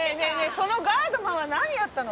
そのガードマンは何やったの？